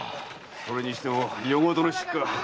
それにしても夜ごとの出火。